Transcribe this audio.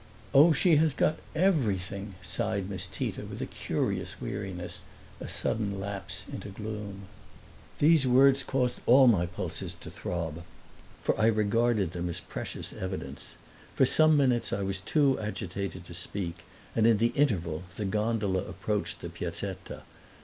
"Oh, she has got everything!" sighed Miss Tita with a curious weariness, a sudden lapse into gloom. These words caused all my pulses to throb, for I regarded them as precious evidence. For some minutes I was too agitated to speak, and in the interval the gondola approached the Piazzetta.